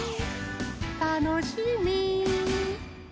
たのしみ。